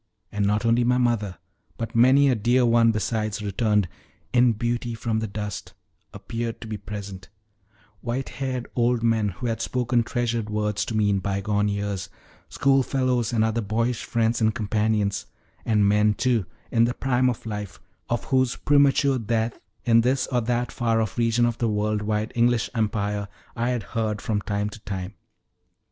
And not only my mother, but many a dear one besides returned "in beauty from the dust" appeared to be present white haired old men who had spoken treasured words to me in bygone years; schoolfellows and other boyish friends and companions; and men, too, in the prime of life, of whose premature death in this or that far off region of the world wide English empire I had heard from time to time.